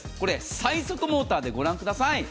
最速モーターで御覧ください。